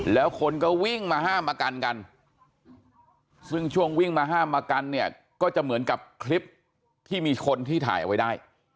แล้วคนก็วิ่งมาห้ามมากันกันซึ่งช่วงวิ่งมาห้ามมากันเนี่ยก็จะเหมือนกับคลิปที่มีคนที่ถ่ายเอาไว้ได้